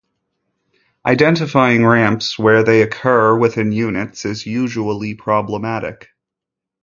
Identifying ramps where they occur within units is usually problematic.